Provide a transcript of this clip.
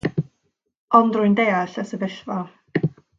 Ond rwy'n deall y sefyllfa.